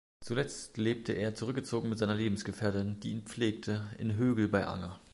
Zuletzt lebte er zurückgezogen mit seiner Lebensgefährtin, die ihn pflegte, in Högl bei Anger.